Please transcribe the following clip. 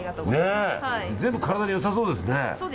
全部、体に良さそうですね。